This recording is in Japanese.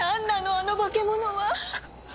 あの化け物は。